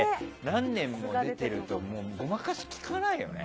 何年も出てるとごまかしきかないよね。